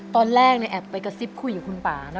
ตอนแรกแอบไปกระซิบคุยกับคุณป่านะ